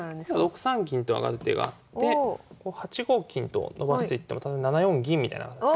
６三銀と上がる手があって８五金と伸ばしていったら７四銀みたいな形で。